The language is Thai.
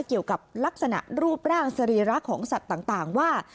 เกี่ยวกับลักษณะรูปร่างสรีระของสัตว์ต่างว่า